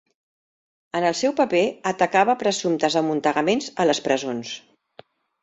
En el seu paper, atacava presumptes amuntegaments a les presons.